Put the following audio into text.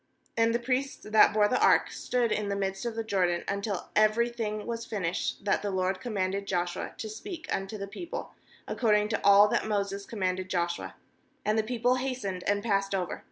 10And the priests that bore the ark stood in the midst of the Jordan, until every thing was finished that the LORD commanded Joshua to speak unto the people, according to all that Moses commanded Joshua; and the people hastened and passed over.